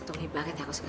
terima kasih ma